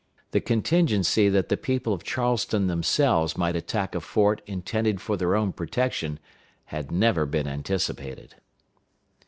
The contingency that the people of Charleston themselves might attack a fort intended for their own protection had never been anticipated.